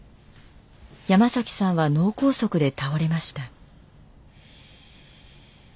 山さんは脳梗塞で倒れました。